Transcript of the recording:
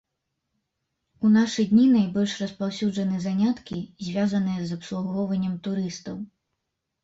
У нашы дні найбольш распаўсюджаны заняткі, звязаныя з абслугоўваннем турыстаў.